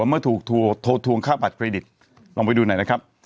เมื่อถูกโทรทวงค่าบัตรเครดิตลองไปดูหน่อยนะครับ